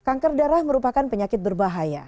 kanker darah merupakan penyakit berbahaya